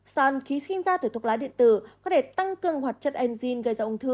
son khí sinh ra từ thuốc lá điện tử có thể tăng cường hoạt chất enzym gây ra ung thư